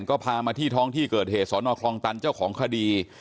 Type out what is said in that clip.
ก็พามาที่ท้องที่เกิดเหตุสอนอคลองตันเจ้าของคดี